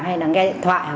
hay nghe điện thoại